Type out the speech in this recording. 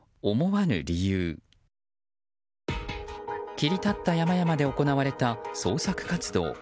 切り立った山々で行われた捜索活動。